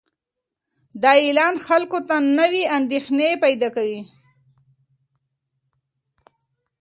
دا اعلان خلکو ته نوې اندېښنې پیدا کوي.